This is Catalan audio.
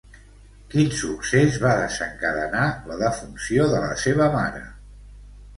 Quin succés va desencadenar la defunció de la seva mare?